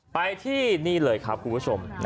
ไปที่นี่เลยครับคุณผู้ชม